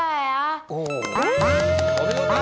お見事！